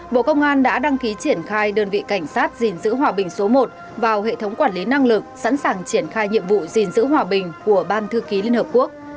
bộ công an đã đăng ký triển khai đơn vị cảnh sát gìn giữ hòa bình số một vào hệ thống quản lý năng lực sẵn sàng triển khai nhiệm vụ gìn giữ hòa bình của ban thư ký liên hợp quốc